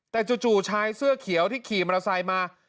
แต่จู่ชายเสื้อเขียวที่ขี่มอเตอร์ไซค์มา